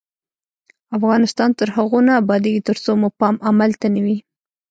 افغانستان تر هغو نه ابادیږي، ترڅو مو پام عمل ته نه وي.